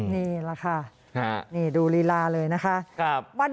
นี่แหละค่ะนี่ดูลีลาเลยนะคะ